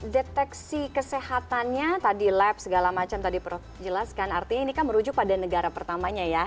deteksi kesehatannya tadi lab segala macam tadi prof jelaskan artinya ini kan merujuk pada negara pertamanya ya